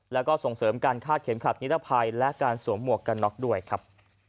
และส่งเสริมการฆาตเข็มขัตรนิรภัยและส่วมหวอกการล็อคด้วยครับ